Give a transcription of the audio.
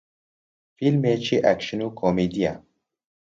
فیلمێکی ئەکشن و کۆمێدییە